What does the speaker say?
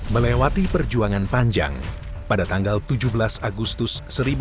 melewati perjuangan panjang pada tanggal tujuh belas agustus seribu sembilan ratus empat puluh